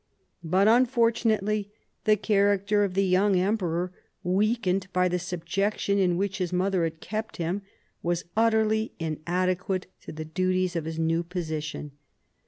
But, unfortunate!}' , the character of the young emperor, Aveakened by the subjection in which his mother had kept him, was utterly inadequate to the duties of his new position.